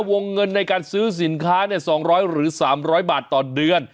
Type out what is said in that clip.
วงเงินในการซื้อสินค้า๒๐๐หรือ๓๐๐บาทต่อเดือน